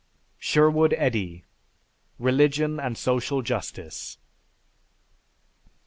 (_Sherwood Eddy: "Religion and Social Justice."